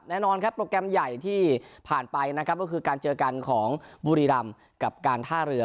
แน่นอนครับโปรแกรมใหญ่ที่ผ่านไปนะครับก็คือการเจอกันของบุรีรำกับการท่าเรือ